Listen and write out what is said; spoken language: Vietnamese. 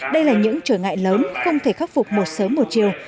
đây là những trở ngại lớn không thể khắc phục một sớm một chiều